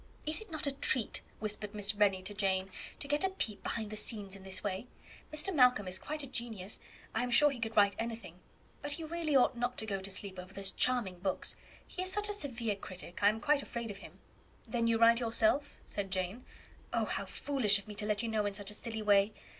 "Is it not a treat," whispered Miss Rennie to Jane, "to get a peep behind the scenes in this way? Mr. Malcolm is quite a genius. I am sure he could write anything; but he really ought not to go to sleep over those charming books. He is such a severe critic, I am quite afraid of him." "Then you write yourself?" said Jane. "Oh! how foolish of me to let you know in such a silly way.